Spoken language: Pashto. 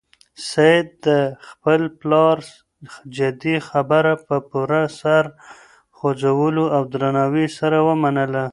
سعید د خپل پلار جدي خبره په پوره سر خوځولو او درناوي سره ومنله.